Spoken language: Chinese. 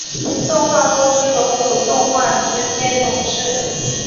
动画公司所属动画师兼董事。